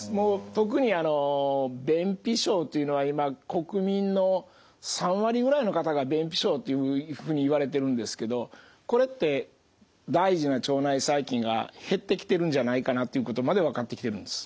特にあの便秘症というのは今国民の３割ぐらいの方が便秘症というふうにいわれているんですけどこれって大事な腸内細菌が減ってきてるんじゃないかなっていうことまで分かってきてるんです。